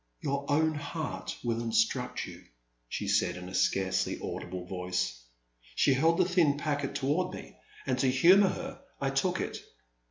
''" Your own heart will instruct you," she said, in a scarcely audible voice. She held the thin packet toward me, and to humour her I took it.